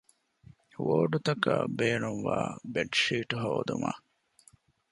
ވޯޑްތަކަށް ބޭނުންވާ ބެޑްޝީޓް ހޯދުމަށް